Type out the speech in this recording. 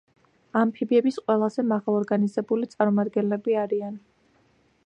ამფიბიების ყველაზე მაღალორგანიზებული წარმომადგენლები არიან.